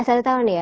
satu tahun ya